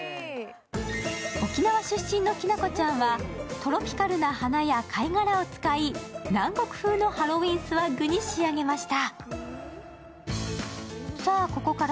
沖縄出身のきなこちゃんはトロピカルな花や貝殻を使い、南国風のハロウィーンスワッグに仕上げました。